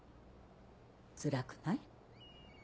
つらくない？